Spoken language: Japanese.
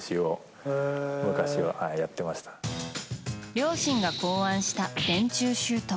両親が考案した電柱シュート。